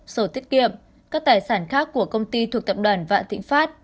sổ tiết kiệm các tài sản khác của công ty thuộc tập đoàn vạn thịnh pháp